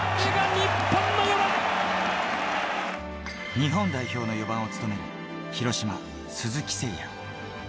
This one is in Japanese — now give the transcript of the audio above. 日本代表の４番を務める広島・鈴木誠也。